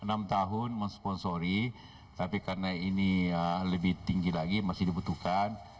enam tahun mensponsori tapi karena ini lebih tinggi lagi masih dibutuhkan